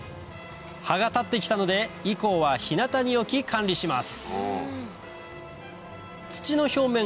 葉が立って来たので以降は日なたに置き管理します